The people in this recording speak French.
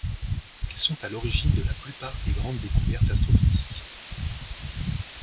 Ils sont à l'origine de la plupart des grandes découvertes astrophysiques.